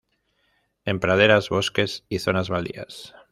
En praderas, bosques y zonas baldías.